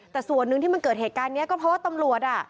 แต่ส่วนหนึ่งที่มันเกิดเหตุการณ์นี้ก็เพราะว่าตำรวจอ่ะ